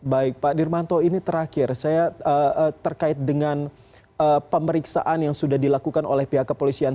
baik pak dirmanto ini terakhir saya terkait dengan pemeriksaan yang sudah dilakukan oleh pihak kepolisian